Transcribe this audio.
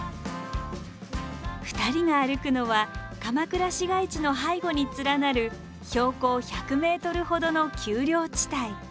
２人が歩くのは鎌倉市街地の背後に連なる標高１００ｍほどの丘陵地帯。